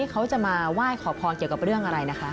เขาจะมาไหว้ขอพรเกี่ยวกับเรื่องอะไรนะคะ